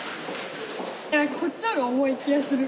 こっちの方が重い気がする。